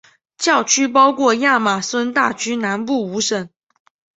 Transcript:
教区包括亚马孙大区南部五省。